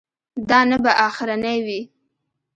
دا نه به اخرنی وي.